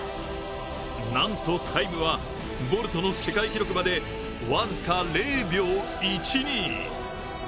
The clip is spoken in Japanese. なんとタイムはボルトの世界記録まで僅か０秒１２。